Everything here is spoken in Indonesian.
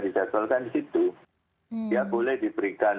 dijadwalkan di situ ya boleh diberikan